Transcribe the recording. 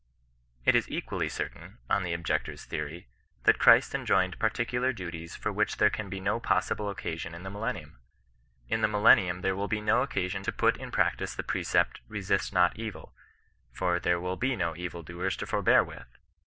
It is equally certain, on the objector's the<»y, that CSirist ei^oined particular duties for which there can be no possible occasion in the millennium. In the mill^i nium there will be no occasion to put in praotice the precept, ^'Eesist not evil;" for there will be no evil doers to forbear with.